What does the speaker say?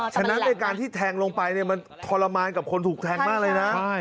ฉะนั้นในการที่แทงลงไปมันทรมานกับคนถูกแทงมากเลยนะ